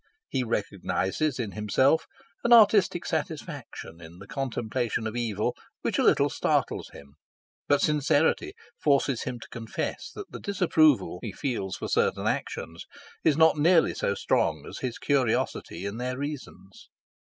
He recognises in himself an artistic satisfaction in the contemplation of evil which a little startles him; but sincerity forces him to confess that the disapproval he feels for certain actions is not nearly so strong as his curiosity in their reasons.